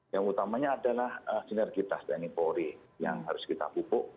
yang utamanya adalah sinergitas tni polri yang harus kita pupuk